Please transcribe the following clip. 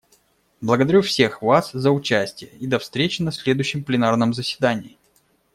Благодарю всех вас за участие, и до встречи на следующем пленарном заседании.